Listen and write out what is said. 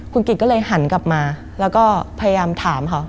คุณกิจก็เลยหันกลับมาแล้วก็พยายามถามเขา